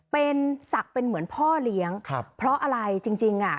เป็นศักดิ์เป็นเหมือนพ่อเลี้ยงเพราะอะไรจริงอะ